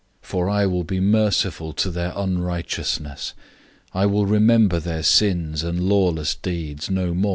008:012 For I will be merciful to their unrighteousness. I will remember their sins and lawless deeds no more."